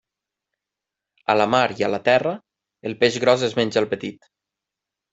A la mar i a la terra, el peix gros es menja el petit.